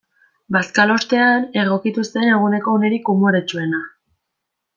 Bazkalostean egokitu zen eguneko unerik umoretsuena.